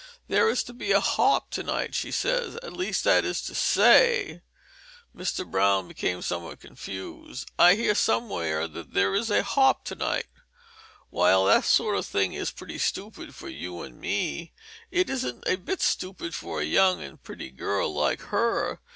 There is to be a hop to night, she says; at least, that is to say" Mr. Brown became somewhat confused "I heard somewhere that there is to be a hop tonight, and while that sort of thing is pretty stupid for you and me, it isn't a bit stupid for a young and pretty girl like her.